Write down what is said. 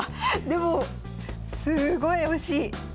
でもすごい惜しい。